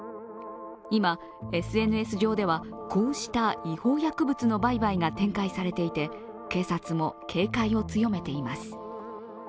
今、ＳＮＳ上ではこうした違法薬物の売買が展開されていて、警察も警戒を強めています。